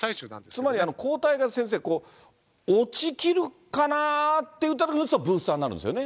つまり、抗体が、先生、落ちきるかなっていったときに打つとブースターになるんですよね。